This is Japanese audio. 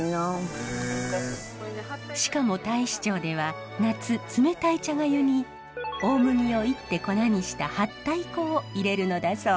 しかも太子町では夏冷たい茶がゆに大麦を炒って粉にしたはったい粉を入れるのだそう。